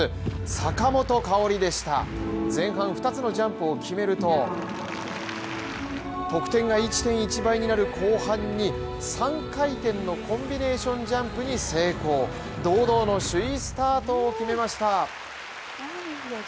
坂本花織でした前半二つのジャンプを決めると得点が１．１倍になる後半に３回転のコンビネーションジャンプに成功堂々の首位スタートを決めました。